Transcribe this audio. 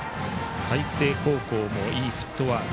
海星高校もいいフットワーク。